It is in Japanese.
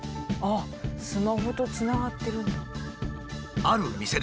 あっスマホとつながってるんだ。